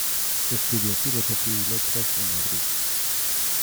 Estudió Filosofía y Letras en Madrid.